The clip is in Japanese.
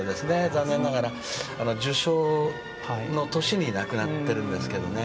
残念ながら受賞の年に亡くなっているんですが。